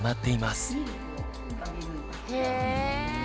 へえ。